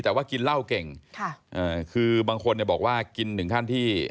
แต่ว่ากินเหล้าเก่งค่ะอ่าคือบางคนเนี่ยบอกว่ากินถึงขั้นที่